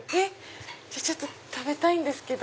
ちょっと食べたいんですけど。